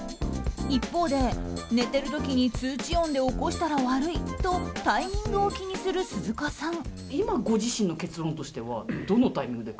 一方で、寝てる時に通知音で起こしたら悪いとタイミングを気にする鈴鹿さん。